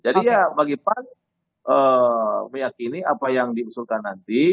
jadi ya bagi pan meyakini apa yang diusulkan nanti